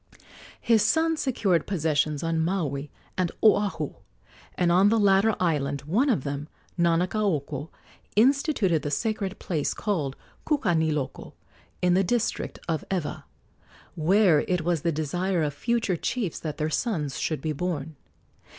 His sons secured possessions on Maui and Oahu, and on the latter island one of them Nanakaoko instituted the sacred place called Kukaniloko, in the district of Ewa, where it was the desire of future chiefs that their sons should be born.